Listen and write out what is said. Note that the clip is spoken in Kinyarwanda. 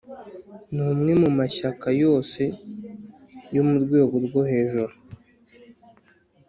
ni umwe mu mashyaka yose yo mu rwego rwo hejuru.